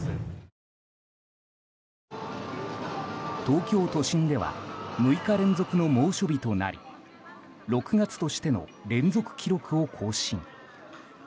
東京都心では６日連続の猛暑日となり６月としての連続記録を更新。